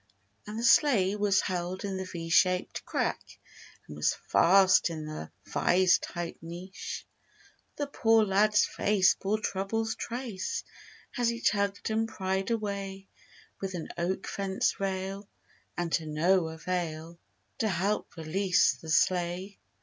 And the sleigh was held in the V shaped crack And was fast in the vise tight niche. The poor lad's face bore troubles' trace As he tugged and pried away With an oak fence rail, and to no avail, To help release the sleigh.